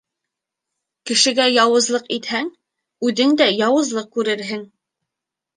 Кешегә яуызлыҡ итһәң, үҙең дә яуызлыҡ күрерһең.